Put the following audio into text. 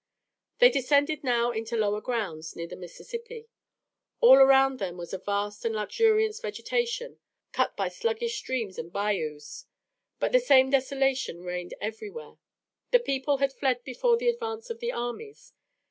They descended now into lower grounds near the Mississippi. All around them was a vast and luxuriant vegetation, cut by sluggish streams and bayous. But the same desolation reigned everywhere. The people had fled before the advance of the armies.